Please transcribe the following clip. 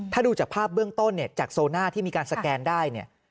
ถ้าดูจากภาพเบื้องต้นเนี่ยจากโซน่าที่มีการสแกนได้เนี่ย